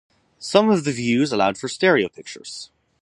Some of the views allowed for stereo pictures.